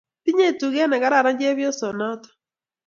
Tinye tuget ne kararan chepyoso natak